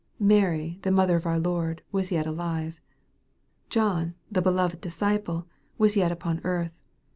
Mary, the mother of our Lord, was yet alive. John, the beloved disciple, was yet upon earth.